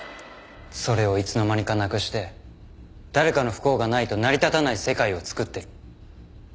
それをいつの間にかなくして誰かの不幸がないと成り立たない世界をつくってる。